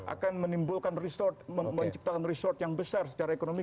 akan menimbulkan resort menciptakan resort yang besar secara ekonomi